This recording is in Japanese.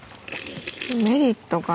メリットか。